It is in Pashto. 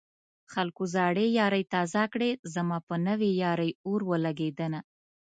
خلکو زړې يارۍ تازه کړې زما په نوې يارۍ اور ولګېدنه